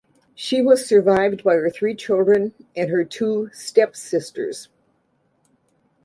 She was survived by her three children and her two stepsisters.